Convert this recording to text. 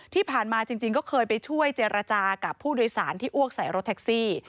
ที่ผ่านมาจริงก็เคยไปช่วยเจรจากับผู้โดยสารที่อ้วกใส่รถแท็กซี่